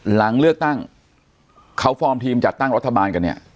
หลังเลือกตั้งเขาฟอร์มทีมจัดตั้งรัฐบาลกันเนี่ย